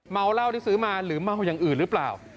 เหล้าที่ซื้อมาหรือเมาอย่างอื่นหรือเปล่า